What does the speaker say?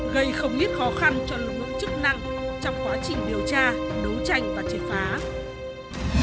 gây không ít khó khăn cho lực lượng chức năng trong quá trình điều tra đấu tranh và chế phá